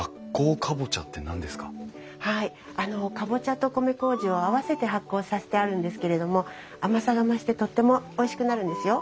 カボチャと米麹を合わせて発酵させてあるんですけれども甘さが増してとってもおいしくなるんですよ。